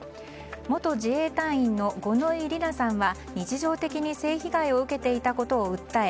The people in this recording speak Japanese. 元自衛隊員の五ノ井里奈さんは日常的に性被害を受けていたことを訴え